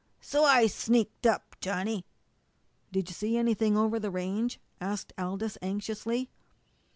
"So, I sneaked up, Johnny." "Did you see anything over the range?" asked Aldous anxiously.